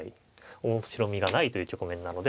面白みがないという局面なので。